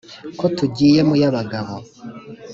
ko tugiye mu y’abagabo’